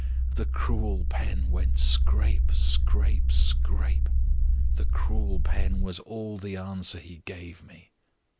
The cruel pen went scrape, scrape, scrape; the cruel pen was all the answer he gave me.